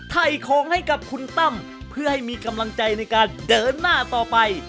ถ่ายของให้กับคุณตั้มเพื่อให้มีกำลังใจในการเดินหน้าต่อไป